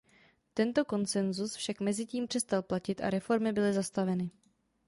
Tento konsenzus však mezitím přestal platit a reformy byly zastaveny.